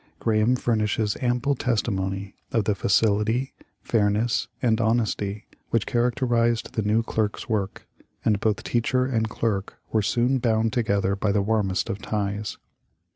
Graham furnishes ample testimony of the facility, fairness, and honesty which characterized the new clerk's work, and both teacher and clerk were soon bound together by the warmest of ties.